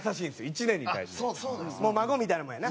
もう孫みたいなもんやな。